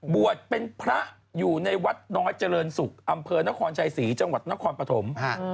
บวชเป็นพระอยู่ในวัดน้อยเจริญศุกร์อำเภอนครชัยศรีจังหวัดนครปฐม